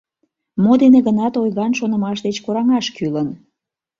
Мо дене гынат ойган шонымаш деч кораҥаш кӱлын.